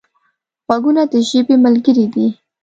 غوږونه د ژبې ملګري دي